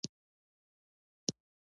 غوا د خپل طبیعت له مخې ارامه ده.